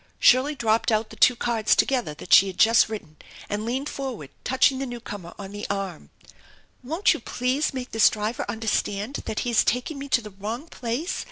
Shirley dropped out the two cards together that she had just written and leaned forward, touching the newcomer on the arm. " Won't you please make this driver understand that he is taking me to the wrong place